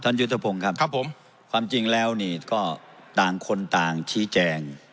ยุทธพงศ์ครับครับผมความจริงแล้วนี่ก็ต่างคนต่างชี้แจง